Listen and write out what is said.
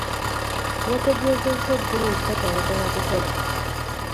Yategeezezza eggulo nti takyayagala kukola.